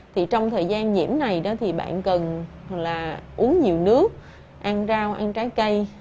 thì trong thời gian nhiễm này đó thì bạn cần là uống nhiều nước ăn rau ăn trái cây